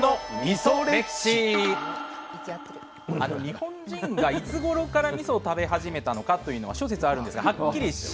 日本人がいつごろからみそを食べ始めたのかというのは諸説あるんですがはっきりしないんですよ。